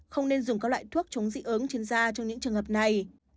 không nên dùng các loại thuốc chống dị ứng trên da trong những trường hợp này